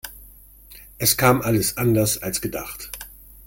Es kam alles anders als gedacht.